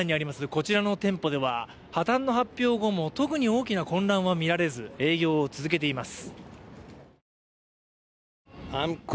こちらの店舗では破綻の発表後も特に大きな混乱は見られず、営業を続けています。